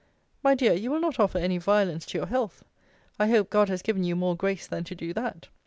My dear, you will not offer any violence to your health? I hope, God has given you more grace than to do that.